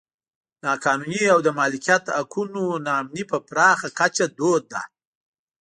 نا قانوني او د مالکیت حقونو نا امني په پراخه کچه دود ده.